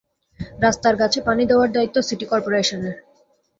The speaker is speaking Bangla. রাস্তার গাছে পানি দেওয়ার দায়িত্ব সিটি করপোরেশনের।